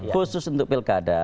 khusus untuk pilkada